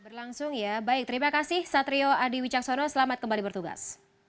berlangsung ya baik terima kasih satrio adi wicaksono selamat kembali bertugas